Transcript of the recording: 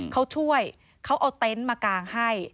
เขาช่วยเขาเอาเต็นต์มากางให้